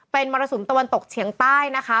เป็นมรสุมตะวันตกเฉียงใต้นะคะ